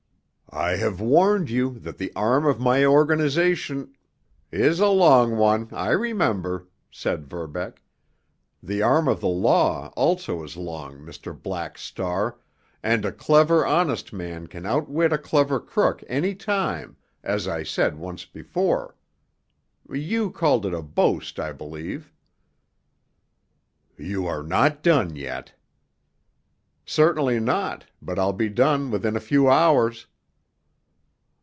"I have warned you that the arm of my organization——" "Is a long one—I remember," said Verbeck. "The arm of the law also is long, Mr. Black Star, and a clever, honest man can outwit a clever crook any time, as I said once before. You called it a boast, I believe." "You are not done yet." "Certainly not—but I'll be done within a few hours."